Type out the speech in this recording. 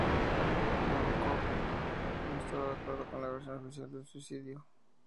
Nabokov no estaba de acuerdo con la versión oficial del suicidio.